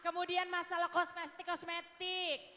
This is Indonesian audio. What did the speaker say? kemudian masalah kosmetik kosmetik